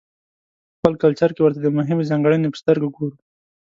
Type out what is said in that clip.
په خپل کلچر کې ورته د مهمې ځانګړنې په سترګه ګورو.